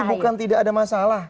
bukan tidak ada masalah